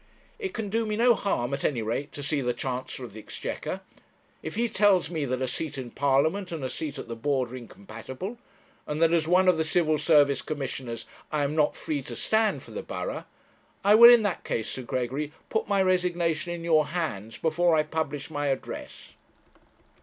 'It can do me no harm at any rate to see the Chancellor of the Exchequer. If he tells me that a seat in Parliament and a seat at the board are incompatible, and that as one of the Civil Service Commissioners I am not free to stand for the borough, I will in that case, Sir Gregory, put my resignation in your hands before I publish my address.'